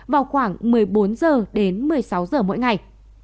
vào khoảng một mươi bốn h đến một mươi sáu giờ mỗi ngày